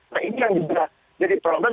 nah ini yang juga jadi problem